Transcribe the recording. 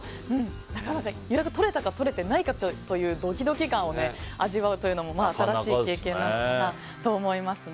なかなか予約が取れたか取れてないかというドキドキ感を味わうというのも新しい経験なのかなと思いますね。